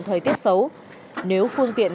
thời tiết xấu nếu phương tiện